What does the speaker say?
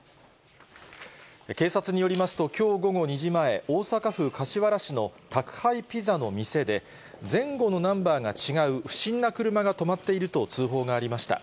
警察によりますと、きょう午後２時前、大阪府柏原市の宅配ピザの店で、前後のナンバーが違う不審な車が止まっていると通報がありました。